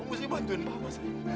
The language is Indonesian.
kamu mesti bantuin papa